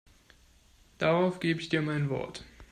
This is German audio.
Darauf gebe ich dir mein Wort.